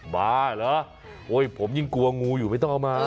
บ้าเหรอโอ้ยผมยังกลัวงูอยู่ไม่ต้องเอามา